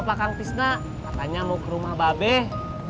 bapak kangtisnak katanya mau ke rumah babeh